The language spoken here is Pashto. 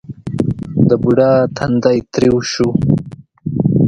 د بوډا تندی ترېو شو: